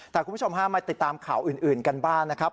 แต่คุณผู้ชมฮะมาติดตามข่าวอื่นกันบ้างนะครับ